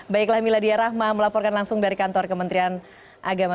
baiklah mila diyarahma melaporkan langsung dari kantor kementerian agama